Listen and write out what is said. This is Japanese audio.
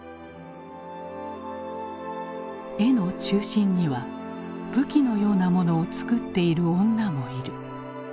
絵の中心には武器のようなものを作っている女もいる。